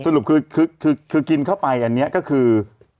สรุปคือกินเข้าไปอันนี้ก็คือ